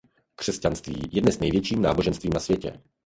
Křesťanství je dnes největším náboženstvím na světě.